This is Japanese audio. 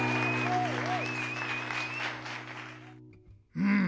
うん！